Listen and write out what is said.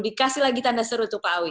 dikasih lagi tanda seru tuh pak awi